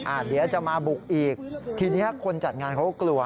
เดี๋ยวจะมาบุกอีกทีนี้คนจัดงานเขาก็กลัว